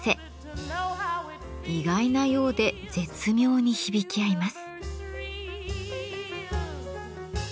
意外なようで絶妙に響き合います。